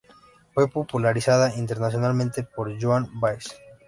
Fue popularizada internacionalmente por Joan Baez.